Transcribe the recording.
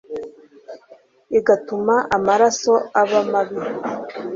igatuma amaraso aba mabi